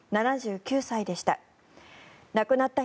７９歳でした。